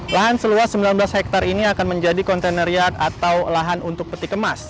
lahan seluas sembilan belas hektare ini akan menjadi kontaineryat atau lahan untuk peti kemas